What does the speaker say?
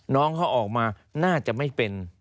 น้องเขาออกมาน่าจะไม่เป็น